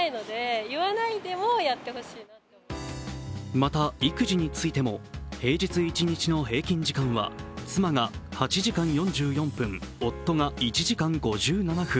また、育児についても平日一日の平均時間は妻が８時間４４分、夫が１時間５７分。